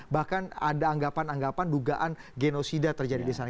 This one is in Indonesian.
bahkan ada anggapan anggapan dugaan genosida terjadi disana